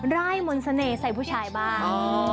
ไล่มนต์เสน่ห์ใส่ผู้ชายบ้าง